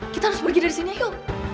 kita harus pergi dari sini yuk